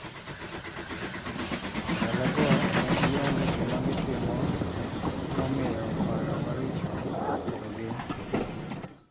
Ndalo go ne gionge gima gitimo momiyo paro maricho to gi